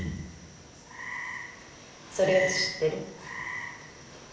それより知ってる？